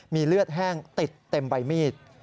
มีเลือดแห้งติดเต็มใบมีด